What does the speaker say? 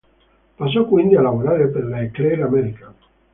Passò quindi a lavorare per la Eclair American.